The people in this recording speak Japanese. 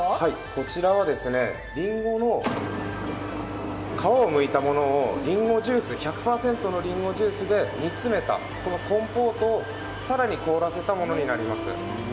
こちらはりんごの皮をむいたものを１００％のりんごジュースで煮詰めた煮詰めたコンポートを更に凍らせたものになります。